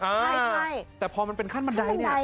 ใช่แต่พอมันเป็นขั้นบันไดเนี่ย